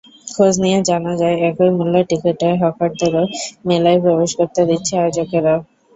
খোঁজ নিয়ে জানা যায়, একই মূল্যের টিকিটে হকারদেরও মেলায় প্রবেশ করতে দিচ্ছে আয়োজকেরা।